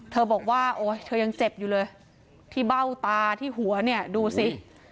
บอกว่าโอ๊ยเธอยังเจ็บอยู่เลยที่เบ้าตาที่หัวเนี่ยดูสิ